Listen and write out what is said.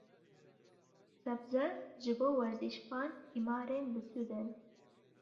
Sebze, ji bo werzîşvan tîmarên bisûd in.